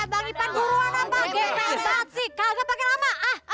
gagal banget sih kagak pake lama